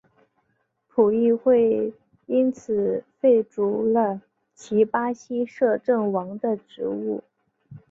葡议会因此废黜了其巴西摄政王的职务。